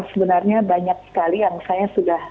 sebenarnya banyak sekali yang saya sudah